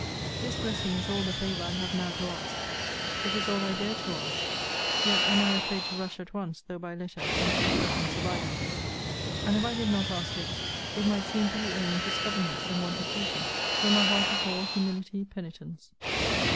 This blessing is all the favour I have now to ask: it is all I dare to ask: yet am I afraid to rush at once, though by letter, into the presence of either. And if I did not ask it, it might seem to be owing to stubbornness and want of duty, when my heart is all humility penitence.